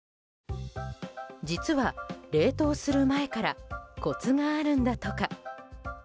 実は、冷凍する前からコツがあるんだとか。